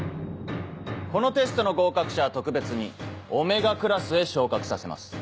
このテストの合格者は特別にΩクラスへ昇格させます。